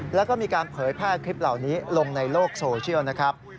แล้วก็มีการเผยแพร่คลิปเหล่านี้ลงในโลกโซเชียลนะครับ